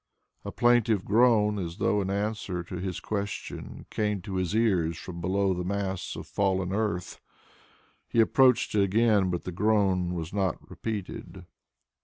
A plaintive groan as though in answer to his question came to his ears from below the mass of fallen earth. He approached it again, but the groan was not repeated.